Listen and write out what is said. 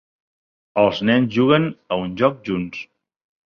Els nens juguen a un joc junts.